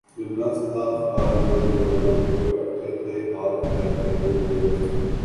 جو نفس تھا خار گلو بنا جو اٹھے تھے ہاتھ لہو ہوئے